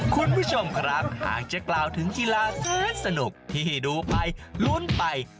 คุณผู้ชมครับหากจะกล่าวถึงกีฬาสนุกที่ดูไปลุ้นไป